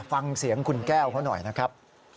ฟังเสียงคุณแก้วเขาหน่อยนะครับ